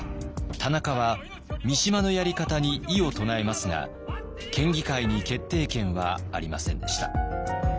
田中は三島のやり方に異を唱えますが県議会に決定権はありませんでした。